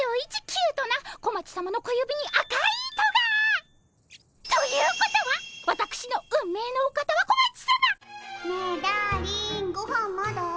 キュートな小町さまの小指に赤い糸が！ということはわたくしの運命のお方は小町さま？ねえダーリンごはんまだ？